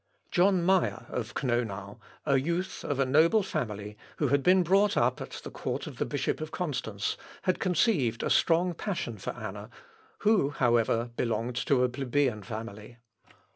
John Meyer of Knonau, a youth of a noble family, who had been brought up at the court of the bishop of Constance, had conceived a strong passion for Anna, who, however, belonged to a plebeian family.